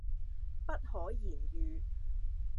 不可言喻